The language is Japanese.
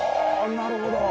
なるほど！